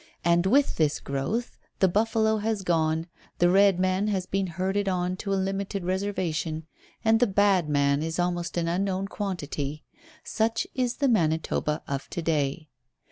And with this growth the buffalo has gone, the red man has been herded on to a limited reservation, and the "Bad man" is almost an unknown quantity. Such is the Manitoba of to day.